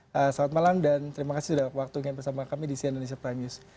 selamat malam dan terima kasih sudah waktunya bersama kami di cnn indonesia prime news